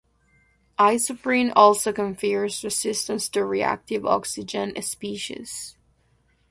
Isoprene also confers resistance to reactive oxygen species.